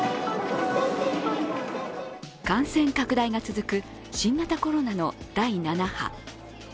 感染拡大が続く新型コロナの第７波。